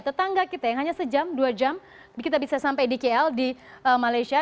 tetangga kita yang hanya sejam dua jam kita bisa sampai di kl di malaysia